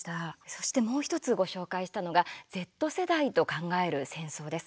そして、もう１つご紹介したのが「Ｚ世代と考える戦争」です。